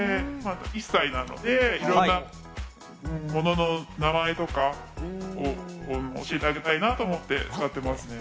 １歳なので、いろんなものの名前とかを教えてあげたいなと思って買ってますね。